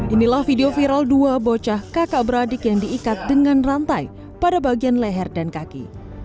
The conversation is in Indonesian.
inilah video viral dua bocah kakak beradik yang diikat dengan rantai pada bagian leher dan kaki